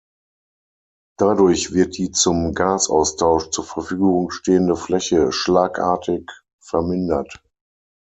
Dadurch wird die zum Gasaustausch zur Verfügung stehende Fläche schlagartig vermindert.